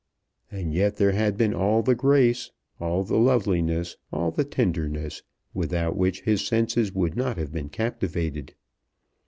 And yet there had been all the grace, all the loveliness, all the tenderness, without which his senses would not have been captivated.